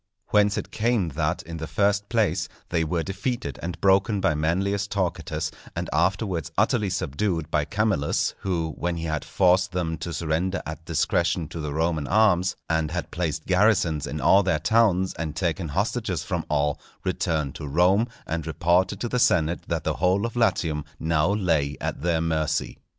Whence it came that, in the first place, they were defeated and broken by Manlius Torquatus, and afterwards utterly subdued by Camillus; who, when he had forced them to surrender at discretion to the Roman arms, and had placed garrisons in all their towns, and taken hostages from all, returned to Rome and reported to the senate that the whole of Latium now lay at their mercy.